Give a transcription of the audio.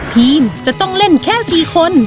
ทีมจะต้องเล่นแค่๔คน